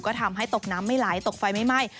ก็ทำให้ตกน้ำไม่ไหลตกไฟไม่ไหม้